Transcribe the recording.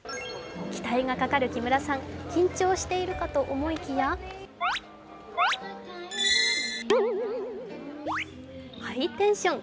期待がかかる木村さん、緊張しているかと思いきやハイテンション。